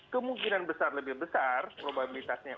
kemungkinan besar lebih besar probabilitasnya